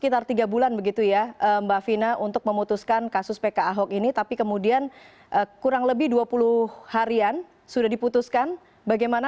kalau persamanya udah ketangan tangan